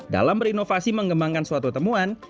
dalam berinovasi mengembangkan suatu temuan